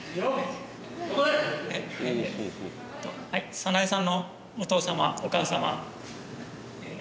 早苗さんのお父様お母様